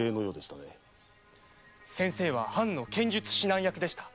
先生は藩の剣術指南役でした。